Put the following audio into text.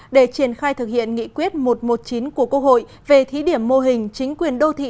để triển khai thực hiện nghị quyết một trăm một mươi chín của quốc hội về thí điểm mô hình chính quyền đô thị